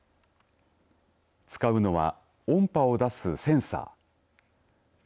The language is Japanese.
使うのは音波を出すセンサー。